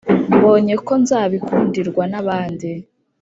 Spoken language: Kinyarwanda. Mbonye ko nzabikundirwa nabandi